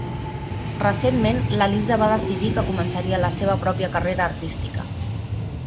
Recentment, la Lisa va decidir que començaria la seva pròpia carrera artística.